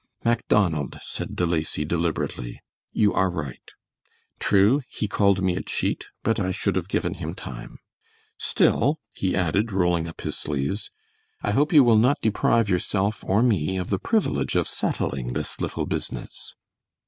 "Macdonald," said De Lacy deliberately, "you are right. True, he called me a cheat, but I should have given him time. Still," he added, rolling up his sleeves, "I hope you will not deprive yourself or me of the privilege of settling this little business."